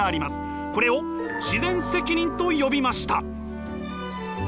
これを自然責任と呼びました。